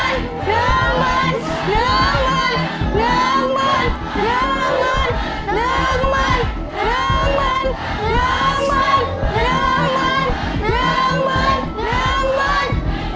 น้องมันน้องมันน้องมันน้องมัน